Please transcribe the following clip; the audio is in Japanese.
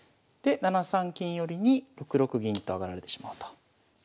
で７三金寄に６六銀と上がられてしまうと。